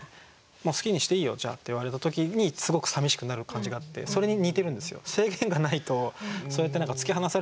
「もう好きにしていいよじゃあ」って言われた時にすごくさみしくなる感じがあってそれに似てるんですよ。